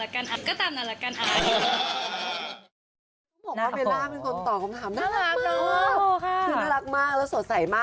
คุณตาคุณย่ายจุ่มมือกันไปดู